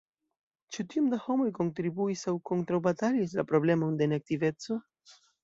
Ĉu tiom da homoj kontribuis aŭ kontraŭbatalis la problemon de neaktiveco?